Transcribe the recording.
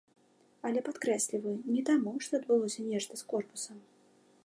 Але, падкрэсліваю, не таму, што адбылося нешта з корпусам.